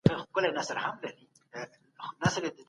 افغانستان د نړیوالي سوداګرۍ په سازمان کي خپل رول نه هېروي.